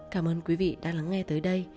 cảm ơn quý vị đã lắng nghe tới đây